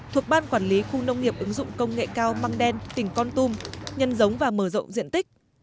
thuộc ban quản lý khu nông nghiệp ứng dụng công nghệ cao măng đen tỉnh con tum nhân giống và mở rộng diện tích